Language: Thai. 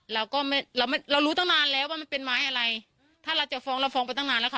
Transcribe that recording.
เราก็ไม่เราไม่เรารู้ตั้งนานแล้วว่ามันเป็นไม้อะไรถ้าเราจะฟ้องเราฟ้องไปตั้งนานแล้วค่ะ